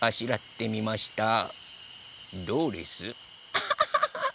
アハハハ！